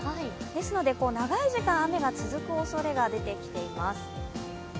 ですので長い時間雨が続くおそれが出てきています。